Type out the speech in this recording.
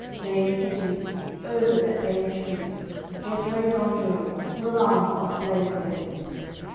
Naimes the Duke, Oger that Danish Prince, Geifrei d'Anjou, Willalme of Blaive therewith.